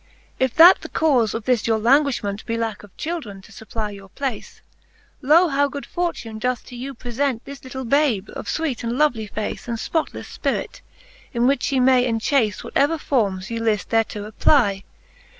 XXXV. If that the caufe of this your languifliment Be lacke of children, to fupply your place, Low how good fortune doth to you prefent This little babe, of fweete and lovely face. And fpotlefle fpirit, in which ye may enchace What ever formes ye lift thereto apply.